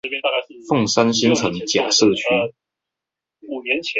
鳳山新城甲社區